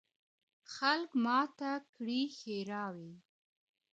خلک ماته کړي ښراوي